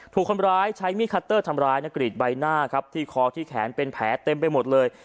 ถูกคนร้ายใช้มีดคัตเตอร์ทำร้ายนักกรีดใบหน้าครับที่คอที่แขนเป็นแผลเต็มไปหมดเลย